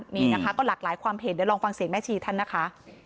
นี่นะคะก็หลากหลายความเห็นเดี๋ยวลองฟังเสียงแม่ชีท่านนะคะ